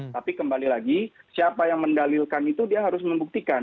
tapi kembali lagi siapa yang mendalilkan itu dia harus membuktikan